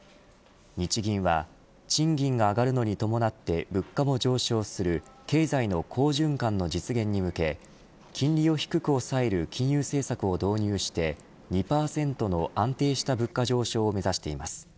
日銀は賃金が上がるのに伴って物価も上昇する経済の好循環の実現に向け金利を低く抑える金融政策を導入して２％の安定した物価上昇を目指しています。